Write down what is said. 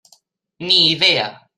Ni idea.